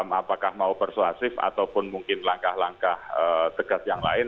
apakah mau persuasif ataupun mungkin langkah langkah tegas yang lain